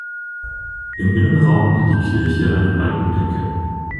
Im Innenraum hat die Kirche eine Balkendecke.